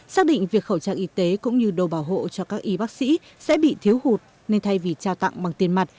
xác định việc khẩu trang y tế cũng như đồ bảo hộ cho các y bác sĩ sẽ bị thiếu hụt nên thay vì trao tặng bằng tiền mặt